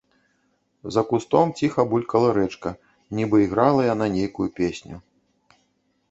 За кустом ціха булькала рэчка, нібы іграла яна нейкую песню.